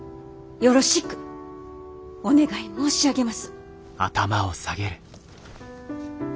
よろしくお願い申し上げます。